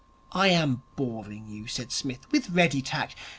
'I am boring you,' said Psmith, with ready tact.